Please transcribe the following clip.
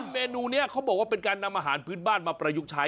เมนูนี้เขาบอกว่าเป็นการนำอาหารพื้นบ้านมาประยุกต์ใช้